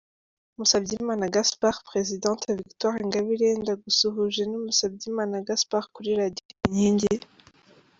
Musabyimana Gaspard: Perezidante Victoire Ingabire ndagusuhuje ni Musabyimana Gaspard kuri Radio Inkingi.